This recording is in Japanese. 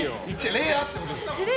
レアってことです。